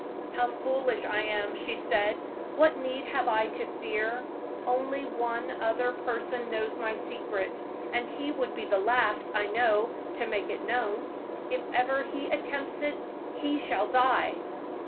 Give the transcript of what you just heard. "How foolish I am," she said. "What need have I to fear? Only one other person knows my secret, and he would be the last, I know, to make it known. If ever he attempts it, he shall die!"